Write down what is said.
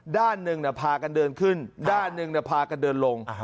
ด้านหนึ่งพากันเดินขึ้นด้านหนึ่งพากันเดินลง